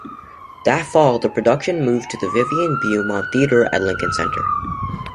That fall, the production moved to the Vivian Beaumont Theater at Lincoln Center.